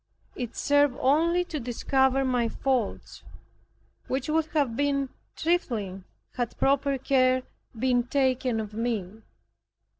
It served only to discover my faults, which would have been trifling had proper care been taken of me.